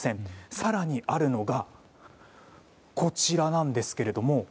更にあるのがこちらなんですけれども。